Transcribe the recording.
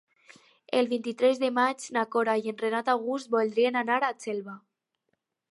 El vint-i-tres de maig na Cora i en Renat August voldrien anar a Xelva.